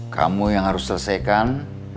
kamu yang harus selesaikan